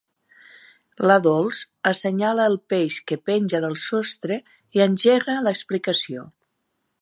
La Dols assenyala el peix que penja del sostre i engega l'explicació.